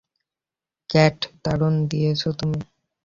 Cat, দারুণ দেখিয়েছ তুমি!